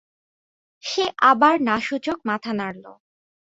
সে আবার না-সূচক মাথা নাড়ল।